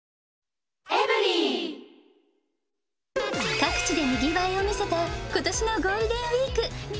各地でにぎわいを見せたことしのゴールデンウィーク。